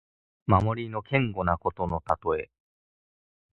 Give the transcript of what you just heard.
守りの堅固なことのたとえ。